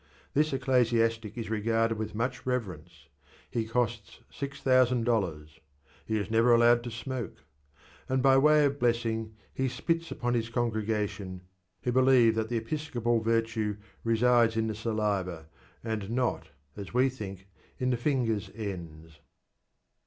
This ecclesiastic is regarded with much reverence; he costs six thousand dollars; he is never allowed to smoke; and by way of blessing he spits upon his congregation, who believe that the episcopal virtue resides in the saliva, and not, as we think, in the fingers' ends.